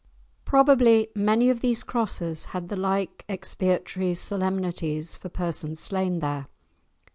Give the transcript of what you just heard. Probably many of these crosses had the like expiatory solemnities for persons slain there.